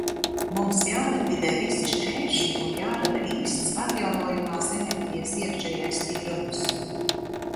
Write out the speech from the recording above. Mums jālikvidē visi šķēršļi un jārada īsts atjaunojamās enerģijas iekšējais tirgus.